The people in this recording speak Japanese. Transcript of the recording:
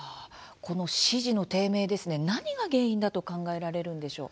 この支持の低迷何が原因だと考えられるんでしょう？